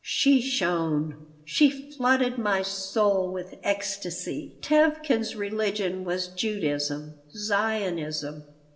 She shone. She flooded my soul with ecstasy Tevkin's religion was Judaism, Zionism.